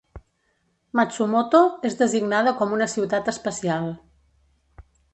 Matsumoto és designada com una ciutat especial.